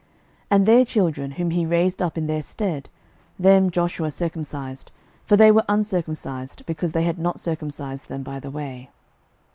06:005:007 And their children, whom he raised up in their stead, them Joshua circumcised: for they were uncircumcised, because they had not circumcised them by the way.